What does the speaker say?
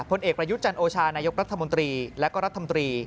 ผลเอกประยุทธ์จันโอชานายกรัฐมนตรีและก็รัฐมนตรี